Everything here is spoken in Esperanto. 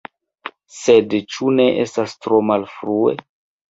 Sed ĉu ne estas tro malfrue?